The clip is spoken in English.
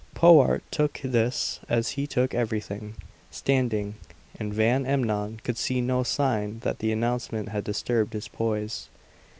Powart took this as he took everything, standing. And Van Emmon could see no sign that the announcement had disturbed his poise.